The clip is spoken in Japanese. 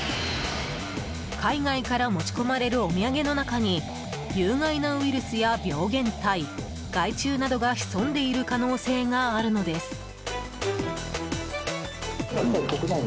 海外から持ち込まれるお土産の中に有害なウイルスや病原体害虫などが潜んでいる可能性があるのです。